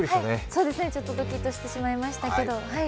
そうですね、ちょっとドキッとしてしまいましたけど。